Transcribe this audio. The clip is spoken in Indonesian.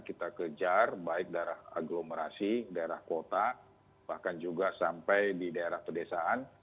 kita kejar baik daerah agglomerasi daerah kota bahkan juga sampai di daerah pedesaan